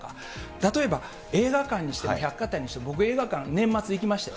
例えば、映画館にしても百貨店にしても、僕、映画館、年末行きましたよ。